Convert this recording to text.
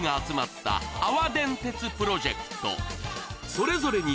それぞれに